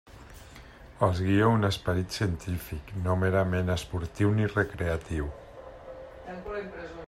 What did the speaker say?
Els guia un esperit científic, no merament esportiu ni recreatiu.